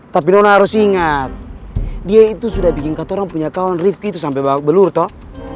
tapi nona harus ingat dia itu sudah bikin katorang punya kawan rifqi itu sampe belur toh